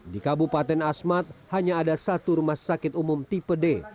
di kabupaten asmat hanya ada satu rumah sakit umum tipe d